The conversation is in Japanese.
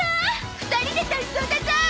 ２人で体操だゾ！